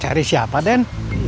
cari siapa den